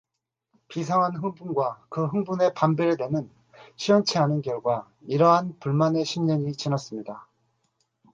비상한 흥분과 그 흥분에 반비례되는 시원치 않은 결과, 이러한 불만의 십 년이 지났습니다.